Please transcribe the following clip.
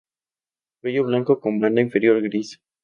Cuello blanco con banda inferior gris.